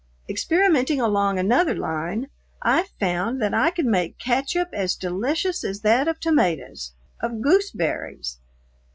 Experimenting along another line, I found that I could make catchup, as delicious as that of tomatoes, of gooseberries.